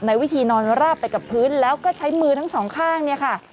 วิธีนอนราบไปกับพื้นแล้วก็ใช้มือทั้งสองข้างเนี่ยค่ะ